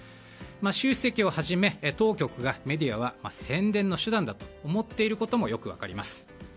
習主席をはじめ、当局がメディアは宣伝の手段だと思っていることもよく分かります。